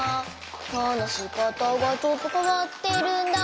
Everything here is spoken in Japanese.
「はなしかたがちょっとかわってるんだ」